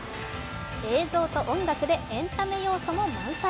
映像と音楽でエンタメ要素も満載。